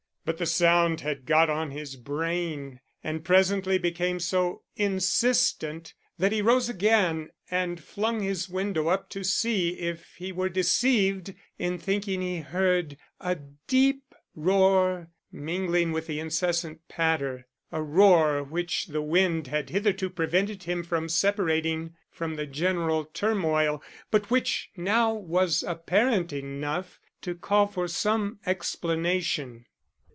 But the sound had got on his brain, and presently became so insistent that he rose again and flung his window up to see if he were deceived in thinking he heard a deep roar mingling with the incessant patter, a roar which the wind had hitherto prevented him from separating from the general turmoil, but which now was apparent enough to call for some explanation.